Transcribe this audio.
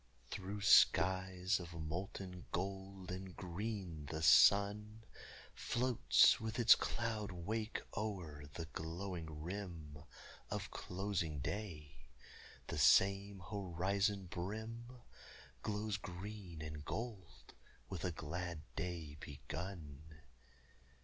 Through skies of molten gold and green the sun Floats with its cloud wake o'er the glowing rim Of closing day; the same horizon brim Glows green and gold with a glad day begun.